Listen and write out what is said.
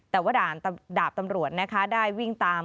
แต่ว่าดาบตำรวจนะคะได้วิ่งตาม